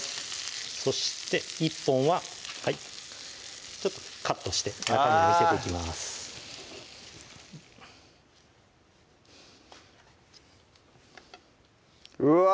そして１本はカットして中身を見せていきますあぁうわ！